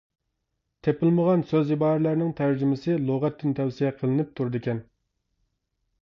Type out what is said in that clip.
تېپىلمىغان سۆز-ئىبارىلەرنىڭ تەرجىمىسى لۇغەتتىن تەۋسىيە قىلىنىپ تۇرىدىكەن.